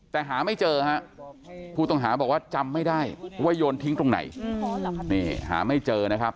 แต่หาไม่เจอฮะผู้ต้องหาบอกว่าจำไม่ได้ว่าโยนทิ้งตรงไหนนี่หาไม่เจอนะครับ